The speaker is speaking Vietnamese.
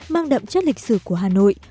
mang đậm chất lịch sử của hà nội